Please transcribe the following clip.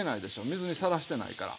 水にさらしてないから。